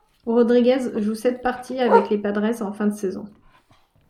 Rodriguez joue sept parties avec les Padres en fin de saison.